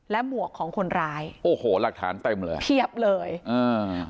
หมวกของคนร้ายโอ้โหหลักฐานเต็มเลยเพียบเลยอ่า